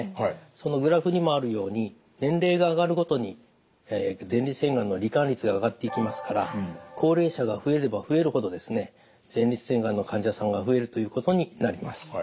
そのグラフにもあるように年齢が上がるごとに前立腺がんの罹患率が上がっていきますから高齢者が増えれば増えるほどですね前立腺がんの患者さんが増えるということになります。